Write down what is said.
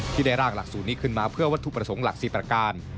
ที่ได้ร่างหลักสูตรนี้ขึ้นมาเพื่อวัตถุประสงค์หลัก๔ประการ